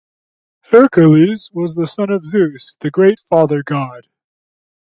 Hercules was the son of Zeus, the great father-god.